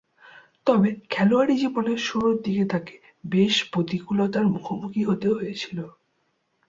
তবে, খেলোয়াড়ী জীবনের শুরুরদিকে তাকে বেশ প্রতিকূলতার মুখোমুখি হতে হয়েছিল।